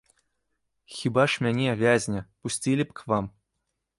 Хіба ж мяне, вязня, пусцілі б к вам?